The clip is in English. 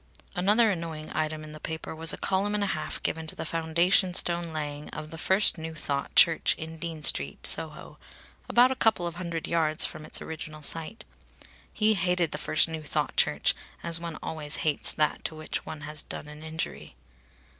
Another annoying item in the paper was a column and a half given to the foundation stone laying of the First New Thought Church, in Dean Street, Soho about a couple of hundred yards from its original site. He hated the First New Thought Church as one always hates that to which one has done an injury.